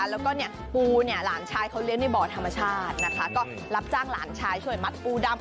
แล้วก็เนี่ยปูเนี่ยหลานชายเขาเลี้ยงในบ่อธรรมชาตินะคะก็รับจ้างหลานชายช่วยมัดปูดำ